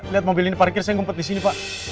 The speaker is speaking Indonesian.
lihat mobil ini parkir saya ngumpet disini pak